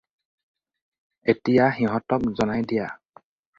এতিয়া সিহঁতক জনাই দিয়া।